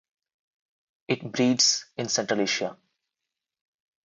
It breeds in central Asia.